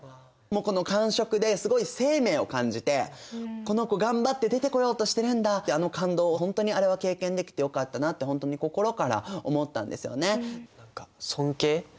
もうこの感触ですごい生命を感じてこの子頑張って出てこようとしてるんだってあの感動を本当にあれは経験できてよかったなってほんとに心から思ったんですよね。